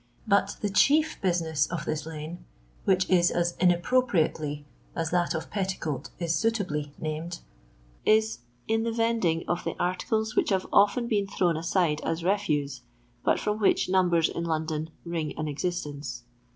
but the chief businesa of this , lane, which is as inappropriately as that of Petti ' coat is suitably named, is in the vending of the articles which have often been thrown aside as refuse, but from which numbers in London wring an existence.